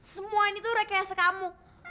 semua ini tuh rekayasa kamu